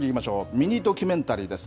ミニドキュメンタリーです。